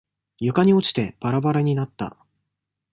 床に落ちてバラバラになった。